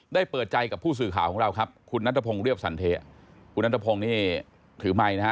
เปิดใจกับผู้สื่อข่าวของเราครับคุณนัทพงศ์เรียบสันเทียคุณนัทพงศ์นี่ถือไมค์นะฮะ